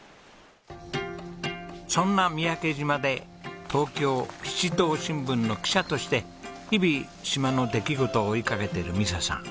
そんな三宅島で『東京七島新聞』の記者として日々島の出来事を追いかけている美砂さん。